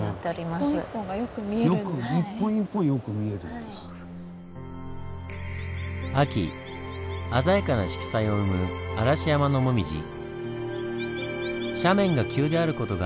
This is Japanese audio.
その事がやはり秋鮮やかな色彩を生む嵐山のモミジ。